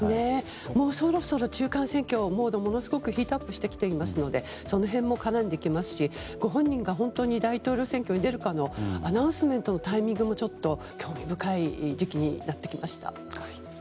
そろそろ中間選挙のモードもヒートアップしてきますのでその辺も絡んできますしご本人が本当に大統領選挙に出るかのアナウンスメントのタイミングも興味深い時期になってきました。